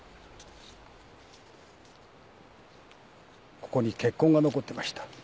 ここに血痕が残ってました。